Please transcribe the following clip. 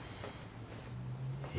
え。